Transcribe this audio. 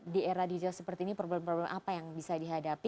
di era digital seperti ini problem problem apa yang bisa dihadapi